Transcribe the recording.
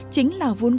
chính là vun quốc